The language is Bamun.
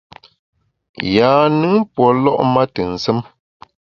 Yâ-nùn pue lo’ ma ntù nsùm.